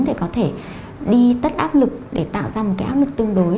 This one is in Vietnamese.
để có thể đi tắt áp lực để tạo ra một cái áp lực tương đối